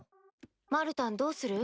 マルタンどうする？